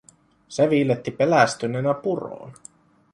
Se viiletti pelästyneenä puroon.